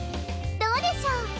どうでしょう？